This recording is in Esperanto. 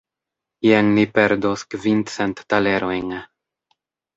Jen ni perdos kvincent talerojn.